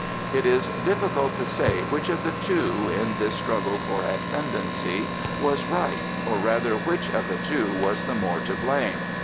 It is difficult to say which of the two, in this struggle for ascendency, was right, or rather which of the two was the more to blame.